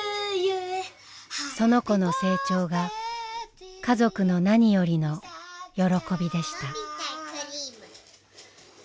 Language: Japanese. その子の成長が家族の何よりの喜びでした。